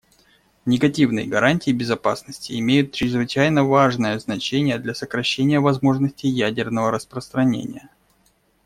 Негативные гарантии безопасности имеют чрезвычайно важное значение для сокращения возможностей ядерного распространения.